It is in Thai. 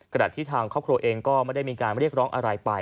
ที่ทางครอบครัวเองก็ไม่ได้มีการเรียกร้องอะไรไป